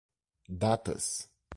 Datas